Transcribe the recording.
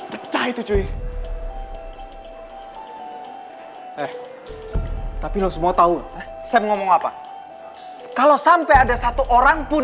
hai kecayai cuy eh tapi lu semua tahu saya ngomong apa kalau sampai ada satu orang pun